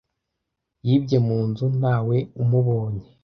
Yibye mu nzu ntawe umubonye.